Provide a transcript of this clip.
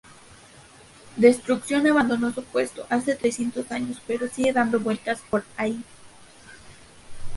Destrucción abandonó su puesto hace trescientos años pero sigue dando vueltas por ahí.